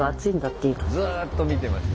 ずっと見てます。